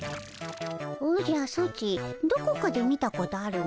おじゃソチどこかで見たことあるの。